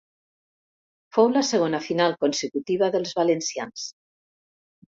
Fou la segona final consecutiva dels valencians.